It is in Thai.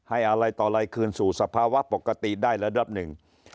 อะไรต่ออะไรคืนสู่สภาวะปกติได้ระดับหนึ่ง